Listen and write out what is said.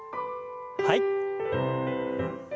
はい。